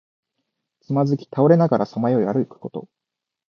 つまずき倒れながらさまよい歩くこと。